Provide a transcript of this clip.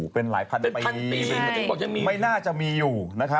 เป็นหลายพันปีไม่น่าจะมีอยู่